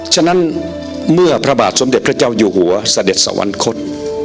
ฉะนั้นเมื่อพระบาทสมเด็จพระเจ้าอยู่หัวเสด็จสวรรคต